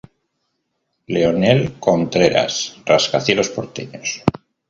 Leonel Contreras "Rascacielos porteños".